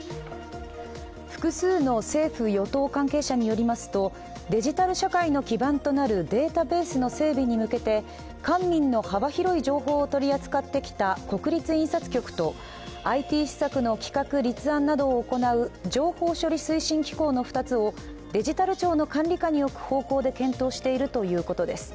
複数の政府・与党関係者によりますと、デジタル社会の基盤となるデータベースの整備に向けて官民の幅広い情報を取り扱ってきた国立印刷局とＩＴ施策の企画・立案などを行う情報処理推進機構の２つをデジタル庁の管理下に置く方向で検討しているということです。